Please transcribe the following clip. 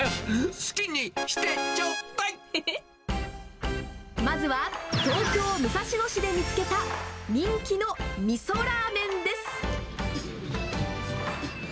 好まずは、東京・武蔵野市で見つけた、人気のみそラーメンです。